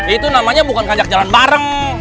itu namanya bukan ngajak jalan bareng